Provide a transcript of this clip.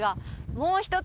もう一つ